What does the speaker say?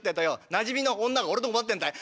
なじみの女が俺のこと待ってんだい。